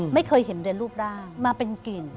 ไม่เคยเห็นแต่รูปร่างมาเป็นกลิ่น